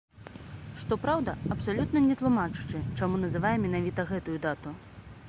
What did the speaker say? Што праўда, абсалютна не тлумачачы, чаму называе менавіта гэтую дату.